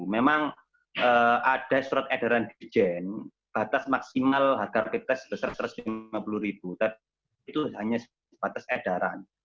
memang ada surat edaran di jen batas maksimal harga rapid test besar rp satu ratus lima puluh tapi itu hanya batas edaran